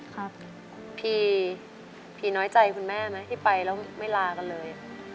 ครับพี่พี่น้อยใจคุณแม่ไหมที่ไปแล้วไม่ลากันเลย